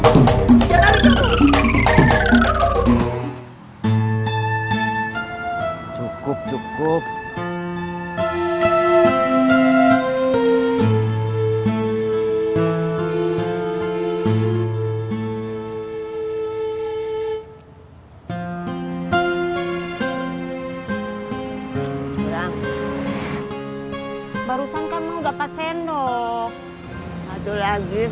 kalau ngomong yang jelas